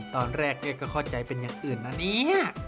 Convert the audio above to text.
ตอนแรกก็เข้าใจเป็นอย่างอื่นนะเนี่ย